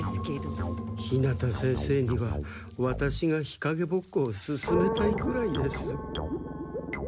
日向先生にはワタシが日陰ぼっこをすすめたいくらいです。